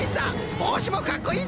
ぼうしもかっこいいぞ！